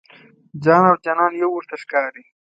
ځان او جانان یو ورته ښکاري.